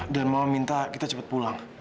dan mama minta kita cepet pulang